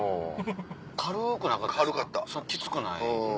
軽くなかったですかきつくない。